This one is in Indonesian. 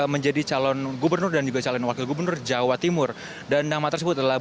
menjadi calon gubernur dan juga calon wakil gubernur jawa timur dan nama tersebut adalah